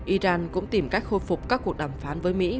iran cũng tìm cách khôi phục các cuộc đàm phán với mỹ